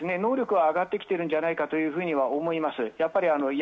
能力は上がってきてるんじゃないかなと思います。